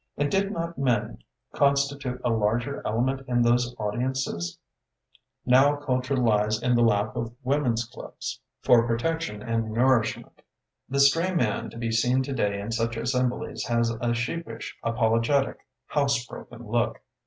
And did not men constitute a larger element in those audiences? Now, culture lies in the lap of women's clubs THE ALLEGED CULTURE OF NEW ENGLAND 61 for protection and nourishment. The stray man to be seen today in such as semblies has a sheepish, apologetic, house broken look.